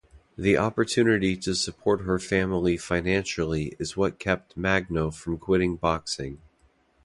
The opportunity to support her family financially is what kept Magno from quitting boxing.